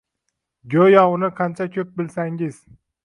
go‘yo uni qancha ko‘p bilsangiz